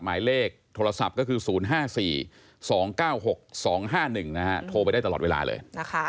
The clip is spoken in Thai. หมายเลขโทรศัพท์ก็คือ๐๕๔๒๙๖๒๕๑โทรไปได้ตลอดเวลาเลย